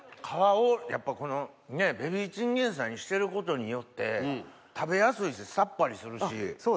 皮をやっぱこのベビーチンゲン菜にしてることによって食べやすいしさっぱりするし。